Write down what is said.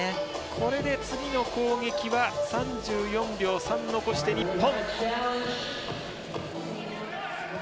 これで次の攻撃は３４秒３残して日本。